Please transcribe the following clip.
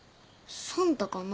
サンタかな？